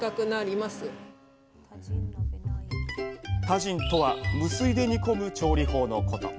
タジンとは無水で煮込む調理法のこと。